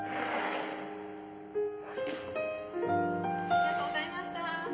ありがとうございましたー。